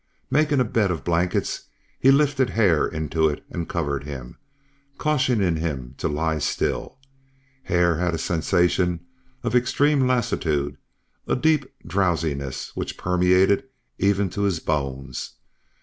Making a bed of blankets he lifted Hare into it, and covered him, cautioning him to lie still. Hare had a sensation of extreme lassitude, a deep drowsiness which permeated even to his bones.